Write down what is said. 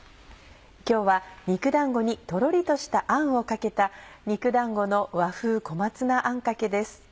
今日は肉だんごにとろりとしたあんをかけた「肉だんごの和風小松菜あんかけ」です。